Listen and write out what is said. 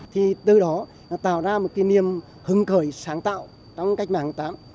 thì từ đó tạo ra một kỷ niệm hứng khởi sáng tạo trong cách mạng tháng tám